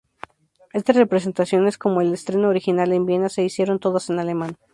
Estas representaciones, como el estreno original en Viena, se hicieron todas en alemán.